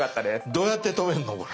どうやって止めんのこれ？